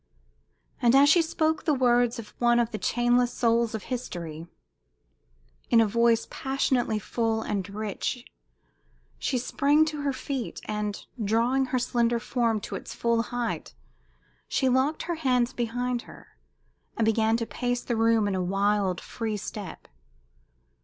'" And as she spoke the words of one of the chainless souls of history, in a voice passionately full and rich, she sprang to her feet, and, drawing her slender form to its full height, she locked her hands behind her, and began to pace the room with a wild, free step.